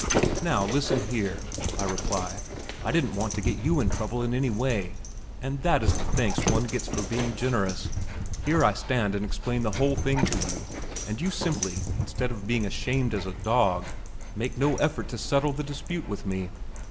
"Now, listen here," I reply; "I didn't want to get you into trouble in any way; but that is the thanks one gets for being generous. Here I stand and explain the whole thing to you, and you simply, instead of being ashamed as a dog, make no effort to settle the dispute with me.